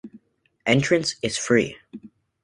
Entrance is free.